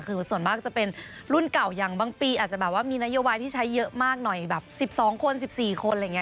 คือส่วนมากจะเป็นรุ่นเก่าอย่างบางปีอาจจะแบบว่ามีนโยบายที่ใช้เยอะมากหน่อยแบบ๑๒คน๑๔คนอะไรอย่างนี้